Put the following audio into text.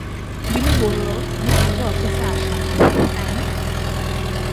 বিনু বলল, উনি আজও অফিসে আসেন নি, তাই না?